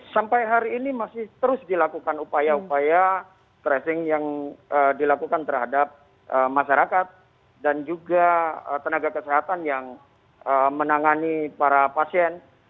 sampai hari ini masih terus dilakukan upaya upaya tracing yang dilakukan terhadap masyarakat dan juga tenaga kesehatan yang menangani para pasien